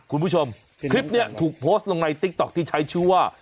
คุณผู้ชมคลิปนี้ถูกโพสต์ลงในติ๊กต๊อกที่ใช้ชื่อว่า